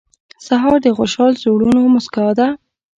سهار د خوشحال زړونو موسکا ده.